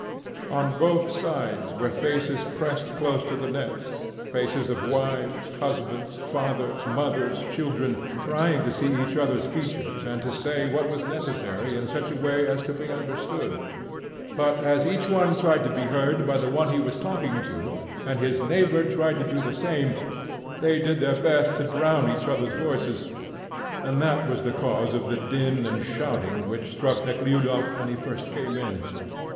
On both sides were faces pressed close to the nets, faces of wives, husbands, fathers, mothers, children, trying to see each other's features and to say what was necessary in such a way as to be understood. But as each one tried to be heard by the one he was talking to, and his neighbour tried to do the same, they did their best to drown each other's voices' and that was the cause of the din and shouting which struck Nekhludoff when he first came in.